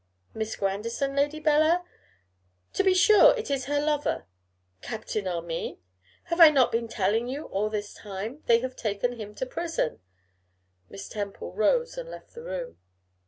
'Miss Grandison, Lady Bellair?' 'To be sure; it is her lover.' 'Captain Armine?' 'Have I not been telling you all this time? They have taken him to prison.' Miss Temple rose and left the room.